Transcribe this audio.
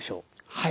はい。